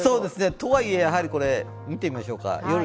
とはいえ、夜７時から見てみましょうか。